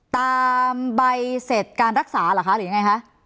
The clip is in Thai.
ตามใบเสร็จการรักษาหรือยังไงคะ